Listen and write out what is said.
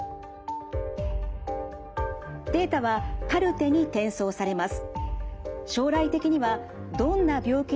データはカルテに転送されます。